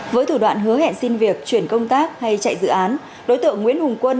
với thủ đoạn hứa hẹn xin việc chuyển công tác hay chạy dự án đối tượng nguyễn hùng